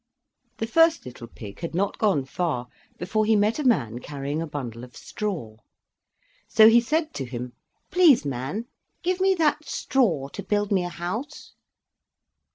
The first little pig had not gone far before he met a man carrying a bundle of straw; so he said to him: "Please, man, give me that straw to build me a house?"